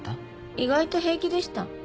意外と平気でした。